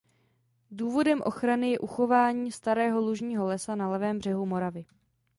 Důvodem ochrany je uchování starého lužního lesa na levém břehu Moravy.